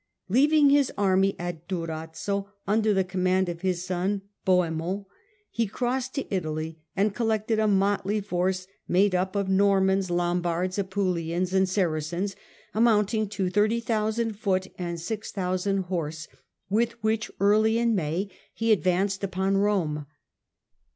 Leaving his army at Durazzo, under the command of his son, Bohemund, he crossed to Italy, and collected a motley force made up of Normans, Lombards, Apulians, and Saracens, amounting to 30,000 foot and 6,000 horse, with which, early in May, he advanced upon Rome.